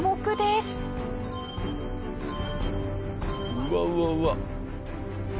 うわうわうわ。